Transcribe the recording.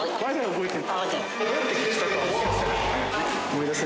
覚えてる。